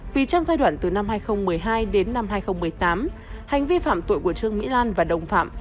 vì trong giai đoạn từ năm hai nghìn một mươi hai đến năm hai nghìn một mươi tám hành vi phạm tội của trương mỹ lan và đồng phạm